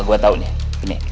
gua tau nih ini